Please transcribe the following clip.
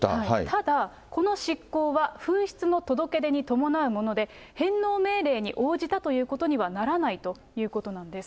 ただ、この失効は紛失の届け出に伴うもので、返納命令に応じたということにはならないということなんです。